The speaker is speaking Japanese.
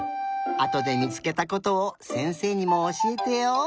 あとでみつけたことをせんせいにもおしえてよ。